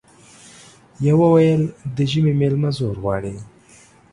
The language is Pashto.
يوه ويل د ژمي ميلمه زور غواړي ،